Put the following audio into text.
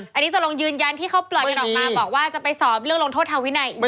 อันนี้จะลงยืนยันที่เขาปล่อยกันออกมาบอกว่าจะไปสอบเรื่องลงโทษทางวินัยอีก